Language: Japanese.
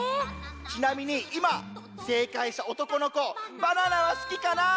ちなみにいませいかいしたおとこのこバナナはすきかな？